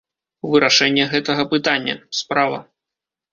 Вырашэнне гэтага пытання, справа.